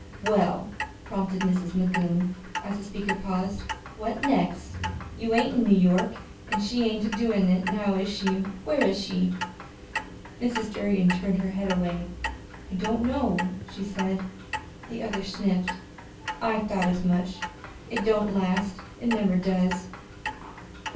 "Well," prompted Mrs. Magoon, as the speaker paused. "What next? You ain't in New York, an' she ain't a doin' it now, is she? Where is she?" Mrs. Durgin turned her head away. "I don't know," she said. The other sniffed. "I thought as much. It don't last it never does."